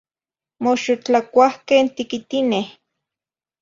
Mox yotlacuahqueh tiquitineh?